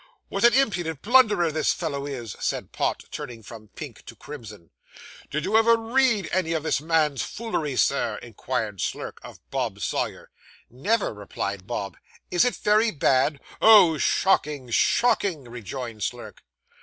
'What an impudent blunderer this fellow is,' said Pott, turning from pink to crimson. 'Did you ever read any of this man's foolery, Sir?' inquired Slurk of Bob Sawyer. 'Never,' replied Bob; 'is it very bad?' 'Oh, shocking! shocking!' rejoined Slurk.